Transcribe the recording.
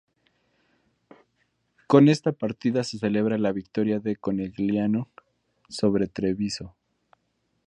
Con esta partida se celebra la victoria de Conegliano sobre Treviso.